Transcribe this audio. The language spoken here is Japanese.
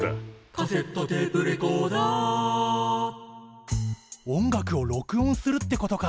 「カセットテープレコーダー」音楽を録音するってことか。